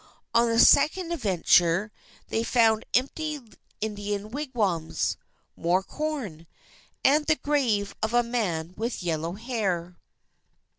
On the second adventure, they found empty Indian wigwams, more corn, and the grave of a man with yellow hair.